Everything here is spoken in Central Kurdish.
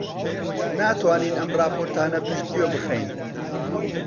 ناتوانین ئەم ڕاپۆرتانە پشتگوێ بخەین.